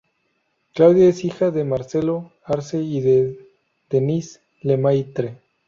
Claudia es hija de Marcelo Arce y de Denise Lemaitre.